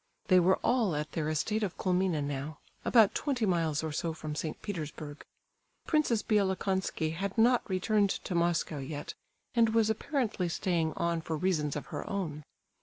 They were all at their estate of Colmina now, about twenty miles or so from St. Petersburg. Princess Bielokonski had not returned to Moscow yet, and was apparently staying on for reasons of her own.